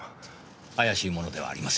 怪しい者ではありません。